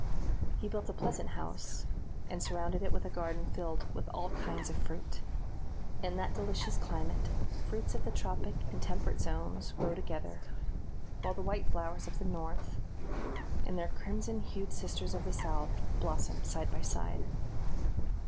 He built a pleasant house, and surrounded it with a garden filled with all kinds of fruit. In that delicious climate, fruits of the tropic and temperate zones grow together; while the white flowers of the North, and their crimson hued sisters of the South, blossom side by side.